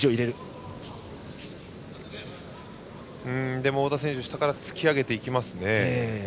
でも太田選手は下から突き上げますね。